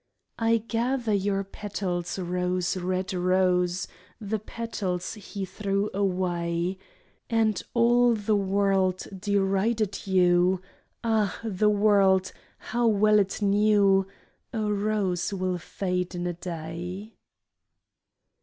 I gather your petals. Rose, red Rose, The petals he threw away. And all the world derided you ; Ah ! the world, how well it knew A rose will fade in a day